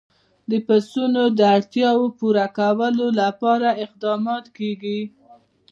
د پسونو د اړتیاوو پوره کولو لپاره اقدامات کېږي.